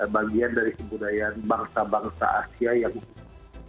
bagian dari kebudayaan bangsa bangsa asia yang